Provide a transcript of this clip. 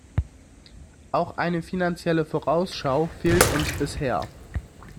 Auch eine Finanzielle Vorausschau fehlt uns bisher.